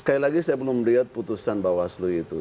sekali lagi saya belum melihat putusan bawaslu itu